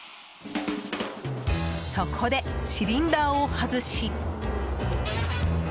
そこで、シリンダーを外し。